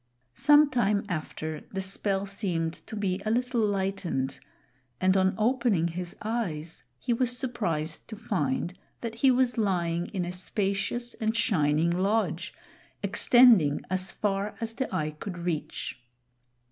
Some time after, the spell seemed to be a little lightened, and on opening his eyes, he was surprised to find that he was lying in a spacious and shining lodge extending as far as the eye could reach.